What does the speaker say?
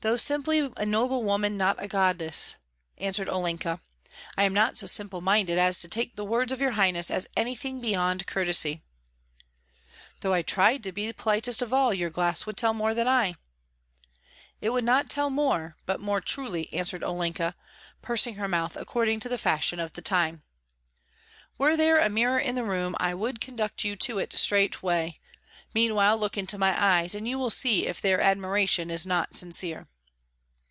"Though simply a noble woman, not a goddess," answered Olenka, "I am not so simple minded as to take the words of your highness as anything beyond courtesy." "Though I tried to be politest of all, your glass would tell more than I." "It would not tell more, but more truly," answered Olenka, pursing her mouth according to the fashion of the time. "Were there a mirror in the room, I would conduct you to it straightway; meanwhile look into my eyes, and you will see if their admiration is not sincere."